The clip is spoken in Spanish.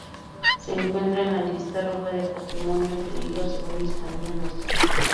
Se encuentra en la Lista roja de patrimonio en peligro según Hispania Nostra.